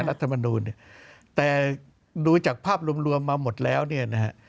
รัฐมนูลเนี่ยแต่ดูจากภาพรวมมาหมดแล้วเนี่ยนะฮะ